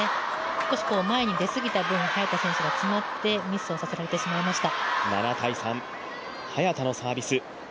少し、前に出すぎた分早田選手が詰まってミスをさせられてしまいました。